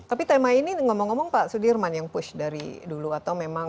tapi tema ini ngomong ngomong pak sudirman yang push dari dulu atau memang